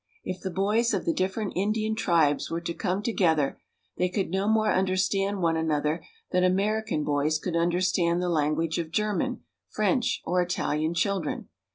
If the boys of the different Indian tribes were to come together, they could no more understand one another than American boys could understand the language of German, French, or Italian children.